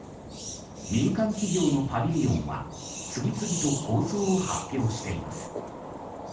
民間企業のパビリオンは次々と構想を発表しています。